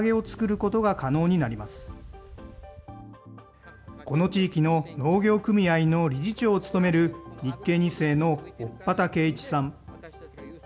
この地域の農業組合の理事長を務める、日系２世の乙幡敬一さん。